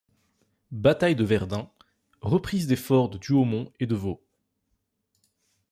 Bataille de Verdun reprise des forts de Douaumont et de Vaux.